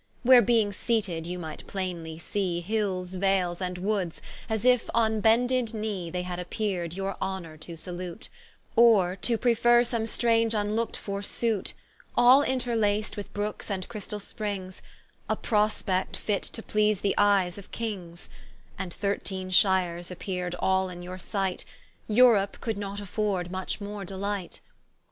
Where beeing seated, you might plainely see, Hills, vales, and woods, as if on bended knee They had appeard, your honour to salute, Or to preferre some strange vnlook'd for sute: All interlac'd with brookes and christall springs, A Prospect fit to please the eyes of Kings: And thirteene shires appear'd all in your sight, Europe could not affoard much more delight.